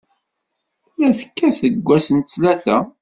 La tekkat seg wass n ttlata.